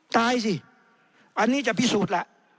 ตายสิอันนี้จะพิสูจน์ล่ะ